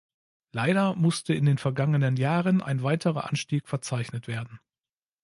Leider musste in den vergangenen Jahren ein weiterer Anstieg verzeichnet werden.